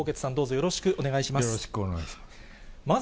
よろしくお願いします。